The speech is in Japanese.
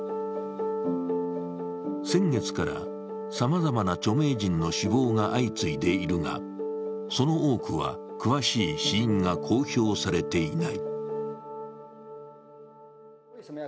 先月からさまざまな著名人の死亡が相次いでいるが、その多くは詳しい死因が公表されていない。